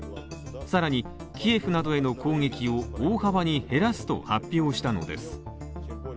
更にキエフなどへの攻撃を大幅に減らすと発表したのです。